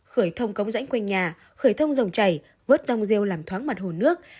khởi thông cống rãnh quanh nhà khởi thông dòng chảy vớt rong rêu làm thoáng mặt hồ nước